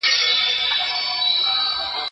ټایپنګ ستاسو مسلکیتوب نورو ته ښيي.